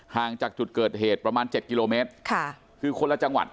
ห่างจากจุดเกิดเหตุประมาณเจ็ดกิโลเมตรค่ะคือคนละจังหวัด